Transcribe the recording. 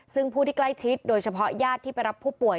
ซึ่งผู้ที่ใกล้ชิดโดยเฉพาะญาติที่ไปรับผู้ป่วย